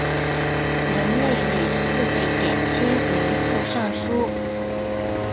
任内屡次为减轻民负上疏。